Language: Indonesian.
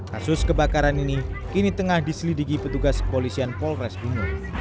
kasus kebakaran ini kini tengah diselidiki petugas kepolisian polres bungu